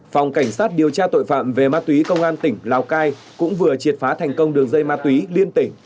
phòng cảnh sát điều tra tội phạm về ma túy công an tỉnh lào cai cũng vừa triệt phá thành công đường dây ma túy liên tỉnh